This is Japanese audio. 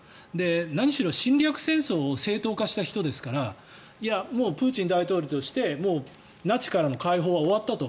何しろ侵略戦争を正当化した人ですからもうプーチン大統領としてナチからの解放は終わったと。